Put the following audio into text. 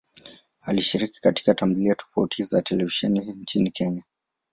Alishiriki katika tamthilia tofauti za televisheni nchini Kenya.